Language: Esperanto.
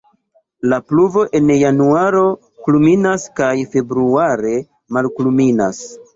La pluvo en januaro kulminas kaj februare malkulminas.